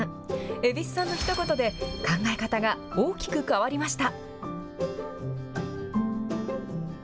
蛭子さんのひと言で、考え方が大きく変わりました。